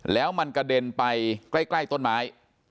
แล้วมันกระเด็นไปใกล้ต้นไม้